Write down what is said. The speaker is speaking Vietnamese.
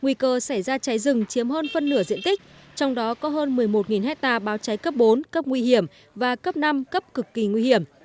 nguy cơ xảy ra cháy rừng chiếm hơn phân nửa diện tích trong đó có hơn một mươi một hectare báo cháy cấp bốn cấp nguy hiểm và cấp năm cấp cực kỳ nguy hiểm